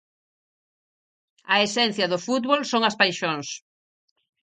A esencia do fútbol son as paixóns.